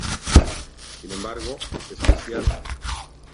Sin embargo, es especial.